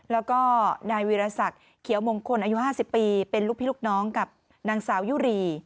แล้วก็นายวีรศักดิ์เขียวมงคลอายุ๕๐ปีเป็นลูกพี่ลูกน้องกับนางสาวยุรี